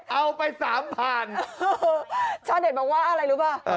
เอ้าไปสามพันชาวเด็ดบอกว่าอะไรรู้ป่ะเอ่อ